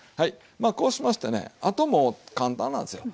こうしましてねあともう簡単なんですよ。